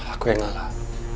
aku yang ngalah